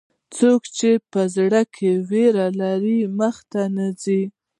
څوک چې په زړه کې ویره لري، مخکې نه ځي.